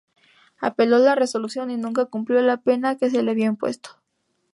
Apeló la resolución y nunca cumplió la pena que se le había impuesto.